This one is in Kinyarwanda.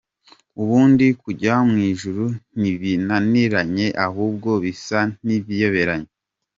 Ubundi kujya mu ijuru ntibinaniranye ahubwo bisa n’ibiyoberanye.